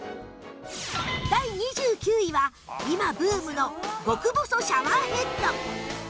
第２９位は今ブームの極細シャワーヘッド